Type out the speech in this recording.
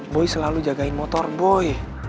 boy selalu jagain motor boy